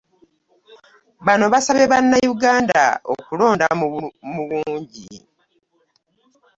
Bano basabye Bannayuganda okulonda mu bungi